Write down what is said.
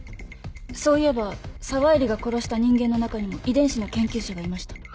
そういえば沢入が殺した人間の中にも遺伝子の研究者がいました。